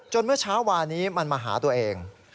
เมื่อเช้าวานี้มันมาหาตัวเอง